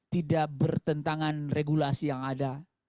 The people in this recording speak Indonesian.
tidak bertentangan regulasi yang ada